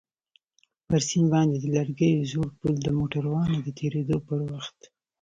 پر سيند باندى د لرګيو زوړ پول د موټرانو د تېرېدو پر وخت.